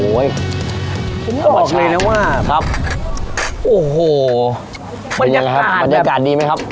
โอ้ยผมไม่รอบเลยนะว่าครับโอ้โหบรรยากาศบรรยากาศดีไหมครับ